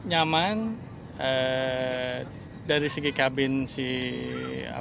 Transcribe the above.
gimana itu pak sesuai seperti apa yang boleh cerita